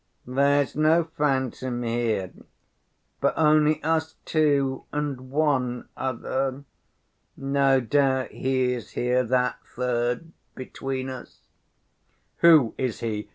"There's no phantom here, but only us two and one other. No doubt he is here, that third, between us." "Who is he?